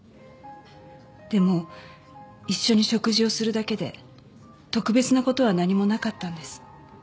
でも一緒に食事をするだけで特別な事は何もなかったんです。